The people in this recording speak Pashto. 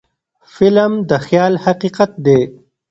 فلم د خیال حقیقت دی